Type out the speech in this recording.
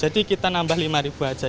jadi kita nambah lima aja